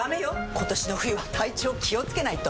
今年の冬は体調気をつけないと！